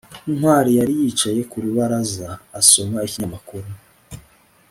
ntwali yari yicaye ku rubaraza, asoma ikinyamakuru